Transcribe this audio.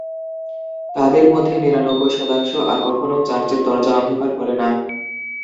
তাদের মধ্যে নিরানব্বই শতাংশ আর কখনও চার্চের দরজা অন্ধকার করে না।